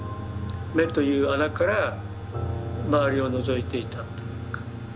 目という穴から周りをのぞいていたというか。